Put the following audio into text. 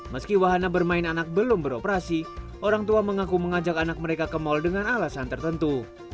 meski wahana bermain anak belum beroperasi orang tua mengaku mengajak anak mereka ke mal dengan alasan tertentu